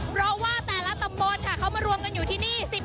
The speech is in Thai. เพราะว่าแต่ละตำบลค่ะเขามารวมกันอยู่ที่นี่